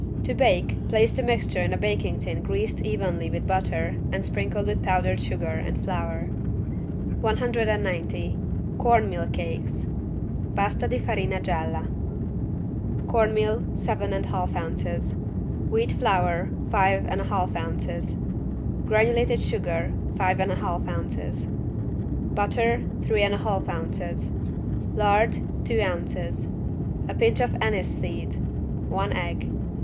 To bake place the mixture in a baking tin greased evenly with butter and sprinkled with powdered sugar and flour. 190 CORN MEAL CAKES (Pasta di farina gialla) Corn meal, seven and a half ounces, Wheat flour, five and a half ounces, Granulated sugar, five and a half ounces, Butter, three and a half ounces, Lard, two ounces, A pinch of anise seed, One egg.